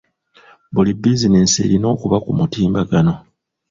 Buli bizinensi erina okuba ku mutimbagano.